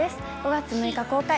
５月６日公開